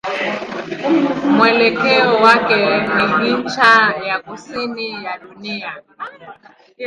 Mwelekeo wake ni ncha ya kusini ya dunia.